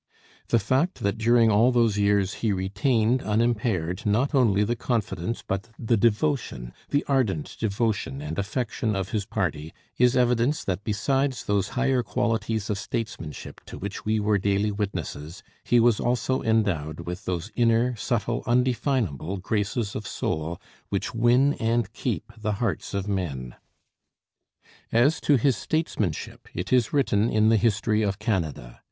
The fact that during all those years he retained unimpaired not only the confidence but the devotion, the ardent devotion and affection of his party, is evidence that besides those higher qualities of statesmanship to which we were daily witnesses, he was also endowed with those inner, subtle, undefinable graces of soul which win and keep the hearts of men. As to his statesmanship, it is written in the history of Canada....